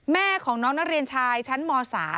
แม่ของน้องนักเรียนชายชั้นม๓